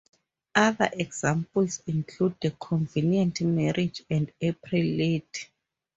Other examples include "The Convenient Marriage" and "April Lady".